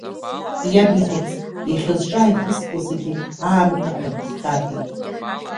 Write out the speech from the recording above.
Иабихәац, иахьа зҿы ааихызхуа зегьы аамҭа ҳәа акы хҭаркит!